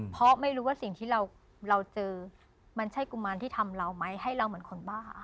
เพราะไม่รู้ว่าสิ่งที่เราเจอมันใช่กุมารที่ทำเราไหมให้เราเหมือนคนบ้า